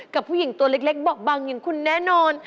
กับผู้หญิงตัวเล็กเบาะบังอย่างคุณแน่นอน